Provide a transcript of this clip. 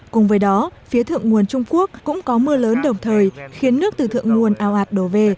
cùng với đó phía thượng nguồn trung quốc cũng có mưa lớn đồng thời khiến nước từ thượng nguồn ao ạt đổ về